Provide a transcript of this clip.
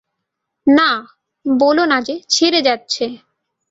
না, বলো না যে, ছেড়ে যাচ্ছ।